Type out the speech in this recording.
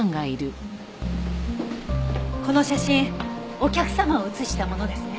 この写真お客様を写したものですね？